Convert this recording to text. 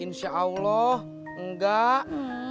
insya allah enggak